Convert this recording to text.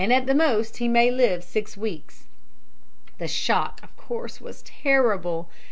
At the most he may live six weeks.' "The shock, of course, was terrible.